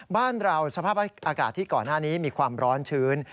บ้านเราสภาพอากาศที่ก่อนหน้านี้มีความร้อนชื้น